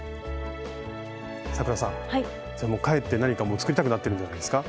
咲楽さん帰って何かもう作りたくなってるんじゃないんですか？